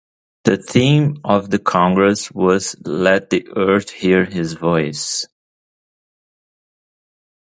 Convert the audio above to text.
The theme of the congress was Let the earth hear His voice.